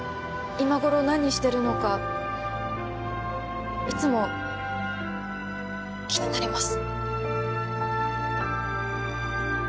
今頃何してるのかいつも☎気になります